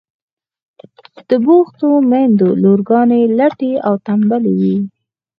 د بوختو میندو لورگانې لټې او تنبلې وي.